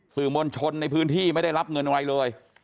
มวลชนในพื้นที่ไม่ได้รับเงินอะไรเลย